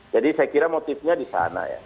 jadi saya kira motifnya di sana ya